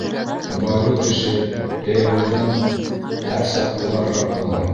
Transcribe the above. Һыбайлы кеше йәйәүленән һәр саҡ юғарыраҡ була.